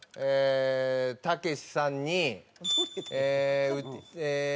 たけしさんにええー。